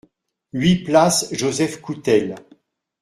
huit place Joseph Coutel